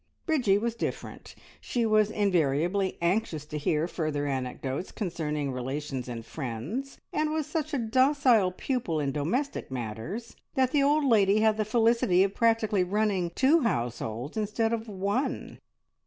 Bridgie was different. She was invariably anxious to hear further anecdotes concerning relations and friends, and was such a docile pupil in domestic matters, that the old lady had the felicity of practically ruling two households instead of one.